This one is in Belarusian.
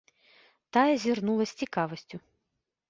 Тая зірнула з цікавасцю.